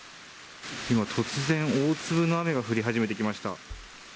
今突然、大粒の雨が降り始めてきました。